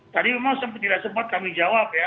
tadi memang tidak sempat kami jawab ya